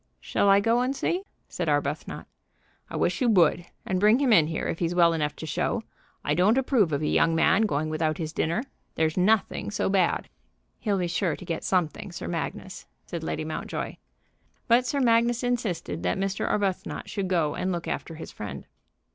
"Shall I go and see?" said Arbuthnot. "I wish you would, and bring him in here, if he's well enough to show. I don't approve of a young man going without his dinner. There's nothing so bad." "He'll be sure to get something, Sir Magnus," said Lady Mountjoy. But Sir Magnus insisted that Mr. Arbuthnot should go and look after his friend.